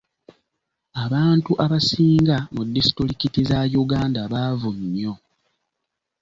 Abantu abasinga mu disitulikiti za Uganda baavu nnyo.